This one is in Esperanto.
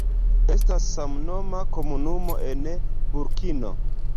Estas samnoma komunumo en Burkino.